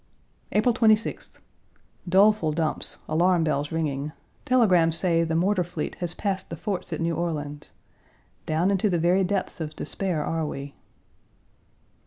April 26th. Doleful dumps, alarm bells ringing. Telegrams say the mortar fleet has passed the forts at New Orleans. Down into the very depths of despair are we.